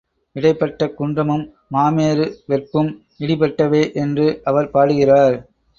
இடைபட்ட குன்றமும் மாமேரு வெற்பும் இடிபட்டவே என்று அவர் பாடுகிறார்.